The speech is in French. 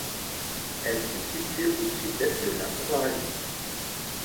Elle se situe au sud-est de la Moravie.